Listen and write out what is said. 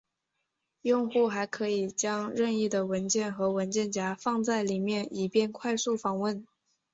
用户还可以将任意的文件和文件夹放在里面以便快速访问。